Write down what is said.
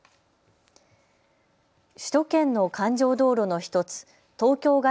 首都圏の環状道路の１つ、東京外